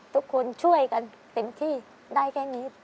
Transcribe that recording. ทุกคนช่วยกันเต็มที่ได้แค่นี้